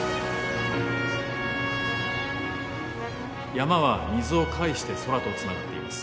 山は水を介して空とつながっています。